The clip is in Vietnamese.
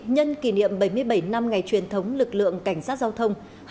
nhân kỷ niệm bảy mươi bảy năm ngày truyền thống lực lượng cảnh sát giao thông